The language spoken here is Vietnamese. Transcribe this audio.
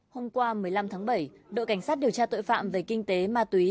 hôm qua một mươi năm tháng bảy đội cảnh sát điều tra tội phạm về kinh tế ma túy